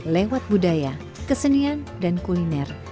lewat budaya kesenian dan kuliner